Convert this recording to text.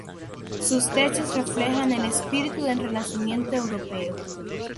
Sus techos reflejan el espíritu del renacimiento europeo.